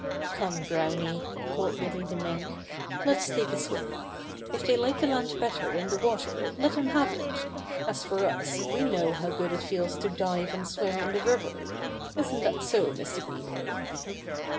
"Come, Browny," called Billy the Mink, "let's take a swim. If they like the land bet ter than the water let them have it. As for us we know how good it feels to dive and swim in the river. Isn't that so, Mr. Beaver?"